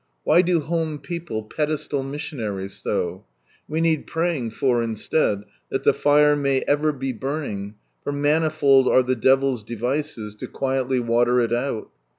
(Why do home people " pedestal " missionaries so ? We need praying for instead, that the fire may ever be burning, for manifold are the devil's devices to quietly water it out.)